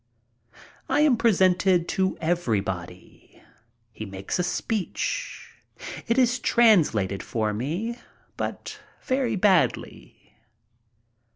I am presented to everybody. He makes a speech. It is translated for me, but very badly.